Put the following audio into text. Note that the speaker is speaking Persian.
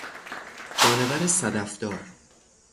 جانور صدف دار